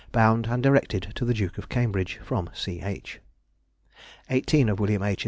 Bound and directed to the Duke of Cambridge (from C. H.). Eighteen of Wm. H.